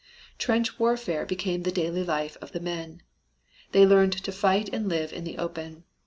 Trench warfare became the daily life of the men. They learned to fight and live in the open.